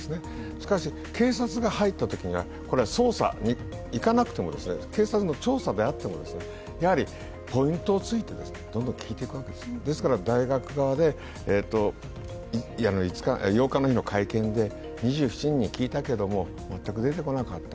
しかし、警察が入ったときにはこれは捜査にいかなくても警察の調査であってもポイントを突いてどんどん聞いていくわけです、ですから、大学側で８日の会見で、２７人に聞いたけれども、全く出なかった。